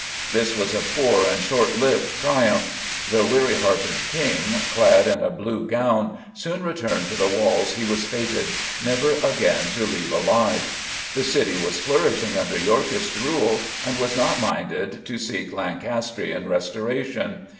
'" This was a poor and short lived triumph. The weary hearted King, "clad in a blue gown," soon returned to the walls he was fated never again to leave alive. The city was flourishing under Yorkist rule and was not minded to seek Lancastrian restoration.